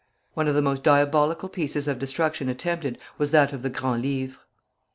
One of the most diabolical pieces of destruction attempted was that of the Grand Livre.